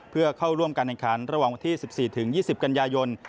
เพื่อเข้าร่วมการแข่งขันระหว่างวันที่๑๔๒๐กันยายน